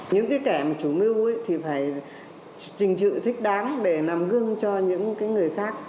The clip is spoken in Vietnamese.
những cái kẻ mà chủ mưu thì phải trình trự thích đáng để nằm gương cho những người khác